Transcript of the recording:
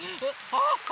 あっ！